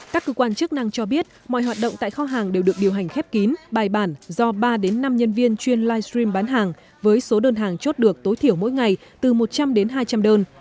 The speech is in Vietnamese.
các cơ quan chức năng cho biết mọi hoạt động tại kho hàng đều được điều hành khép kín bài bản do ba năm nhân viên chuyên livestream bán hàng với số đơn hàng chốt được tối thiểu mỗi ngày từ một trăm linh đến hai trăm linh đơn